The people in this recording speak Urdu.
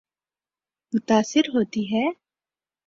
متاثر ہوتی ہے۔